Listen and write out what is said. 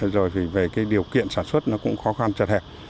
rồi về điều kiện sản xuất nó cũng khó khăn chật hẹp